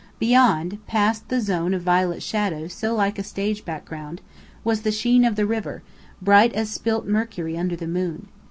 Beyond past the zone of violet shadow so like a stage background was the sheen of the river, bright as spilt mercury under the moon.